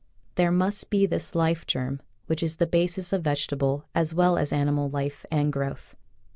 There must be this life germ, which is the basis of vegetable as well as animal life and growth.